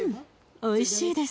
おいしいです。